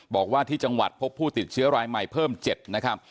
บอกว่าที่จังหวัดพบผู้ติดเชื้อรายใหม่เพิ่ม๗นะครับ